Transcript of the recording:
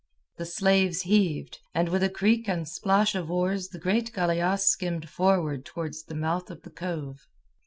The slaves heaved, and with a creak and splash of oars the great galeasse skimmed forward towards the mouth of the cove.